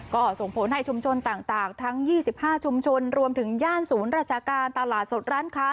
ก็ส่งผลให้ชุมชนต่างทั้ง๒๕ชุมชนรวมถึงย่านศูนย์ราชการตลาดสดร้านค้า